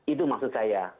itu maksud saya